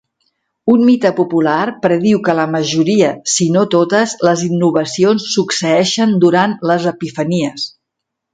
Un mite popular prediu que la majoria, si no totes, les innovacions succeeixen durant les epifanies.